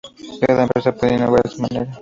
Cada empresa puede innovar a su manera.